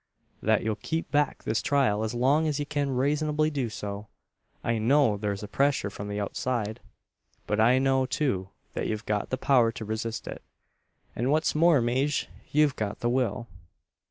"That ye'll keep back this trial as long's ye kin raisonably do so. I know thur's a pressyur from the outside; but I know, too, that ye've got the power to resist it, an what's more, Maje yo've got the will."